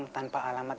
sampai jumpa ben